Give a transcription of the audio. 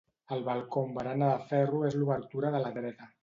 El balcó amb barana de ferro és l'obertura de la dreta.